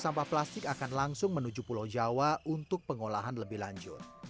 sampah plastik akan langsung menuju pulau jawa untuk pengolahan lebih lanjut